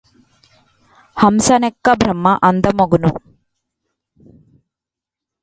హంసనెక్కె Brahma అందముగను